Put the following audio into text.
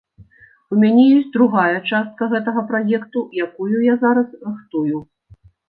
У мяне ёсць другая частка гэтага праекту, якую я зараз рыхтую.